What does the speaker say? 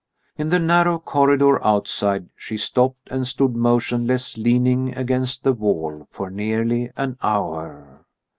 In the narrow corridor outside she stopped and stood motionless leaning against the wall for nearly an hour.